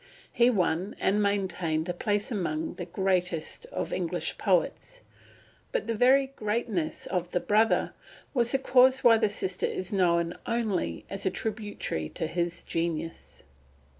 He won and maintained a place among the greatest of English poets; but the very greatness of the brother was the cause why the sister is known only as a tributary to his genius.